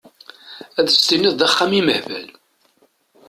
Ad s-tiniḍ d axxam imehbal!